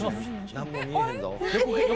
何も見えへんぞ。